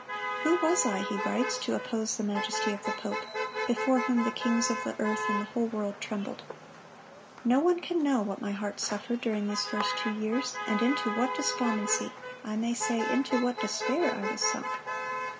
"Who was I," he writes, "to oppose the majesty of the pope, before whom ... the kings of the earth and the whole world trembled? ... No one can know what my heart suffered during these first two years, and into what despondency, I may say into what despair, I was sunk."